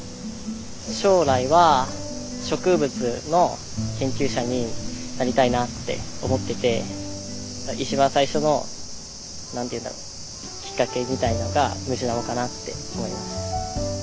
将来は植物の研究者になりたいなって思ってて一番最初の何て言うんだろうきっかけみたいのがムジナモかなって思います。